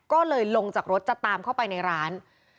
ก็เลยลงจากรถจะตามเข้าไปในร้าน